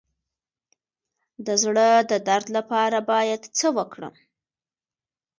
د زړه د درد لپاره باید څه وکړم؟